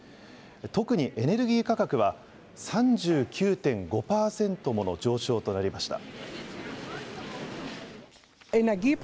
特にエネルギー価格は３９．５％もの上昇となりました。